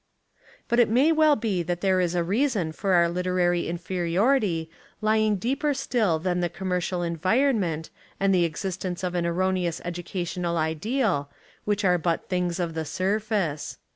But it may well be that there is a reason for our literary inferiority lying deeper still than the commercial environment and the existence of an erroneous educational ideal, which are but things of the surface.